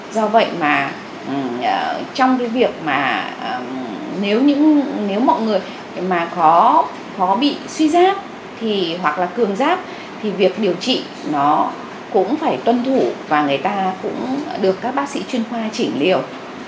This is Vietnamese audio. do vậy mà trong cái việc mà nếu mọi người có bị suy giáp hoặc là cường giáp thì việc điều trị nó cũng phải tuân thủ và người ta cũng được các bác sĩ chuyên khoa chỉnh liều